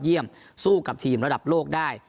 เยี่ยมสู้กับทีมระดับโลกได้